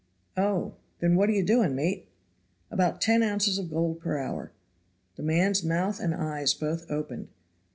"Oh! then what are you doing, mate?" "About ten ounces of gold per hour." The man's mouth and eyes both opened.